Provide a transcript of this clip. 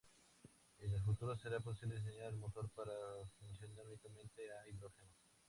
En el futuro será posible diseñar el motor para funcionar únicamente a hidrógeno.